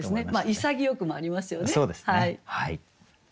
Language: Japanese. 潔くもありますよね。